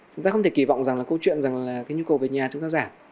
chúng ta không thể kỳ vọng rằng là câu chuyện rằng là cái nhu cầu về nhà chúng ta giảm